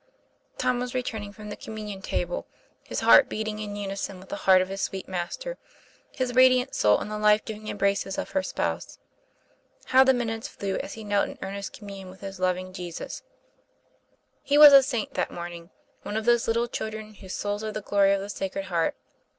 Tom was returning from the communion table, his heart beating in unison with the heart of his sweet Master, his radiant soul in the life giving embraces of her Spouse. How the minutes flew, as he knelt in earnest commune with his loving Jesus! TOM PLA YFAIR. 243 He was a saint that morning one of those little children whose souls are the glory of the Sacred Heart.